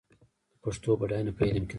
د پښتو بډاینه په علم کې ده.